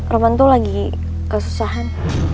roman tuh lagi kesusahan